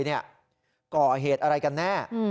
ก่อเหตุอะไรกันแน่